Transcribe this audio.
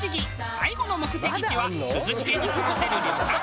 最後の目的地は涼しげに過ごせる旅館。